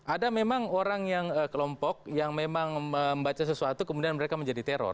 ada memang orang yang kelompok yang memang membaca sesuatu kemudian mereka menjadi teror